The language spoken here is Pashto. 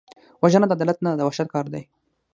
وژنه د عدالت نه، د وحشت کار دی